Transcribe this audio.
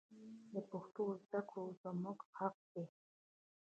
د پښتو زده کړه زموږ حق دی.